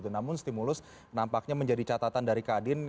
namun stimulus nampaknya menjadi catatan dari kadin